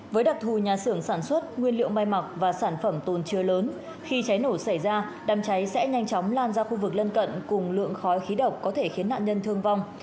với đặc thù nhà xưởng sản xuất nguyên liệu may mặc và sản phẩm tồn chứa lớn khi cháy nổ xảy ra đám cháy sẽ nhanh chóng lan ra khu vực lân cận cùng lượng khói khí độc có thể khiến nạn nhân thương vong